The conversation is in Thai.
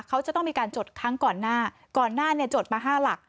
เขาจะต้องมีการจดครั้งก่อนหน้าก่อนหน้าเนี่ยจดมา๕หลัก